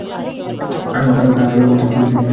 তাহারা মুহূর্তের মধ্যে বিশৃঙ্খল হইয়া পড়িল।